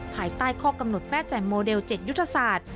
ภายใต้ข้อกำหนดแม่แจ่มโมเดล๗ยุทธศาสตร์